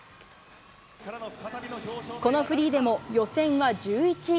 このフリーでも、予選は１１位。